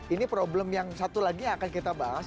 ini problem yang satu lagi yang akan kita bahas